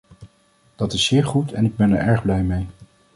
Dat is zeer goed en ik ben er erg blij mee.